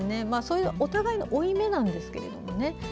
そういうお互いの負い目なんですけどもね。